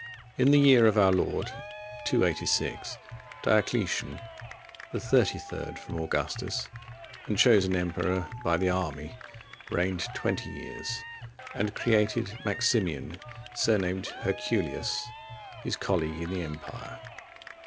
In the year of our Lord 286,(46) Diocletian, the thirty third from Augustus, and chosen emperor by the army, reigned twenty years, and created Maximian, surnamed Herculius, his colleague in the empire.